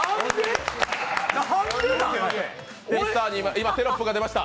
今、テロップが出ました。